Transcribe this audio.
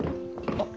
あっ。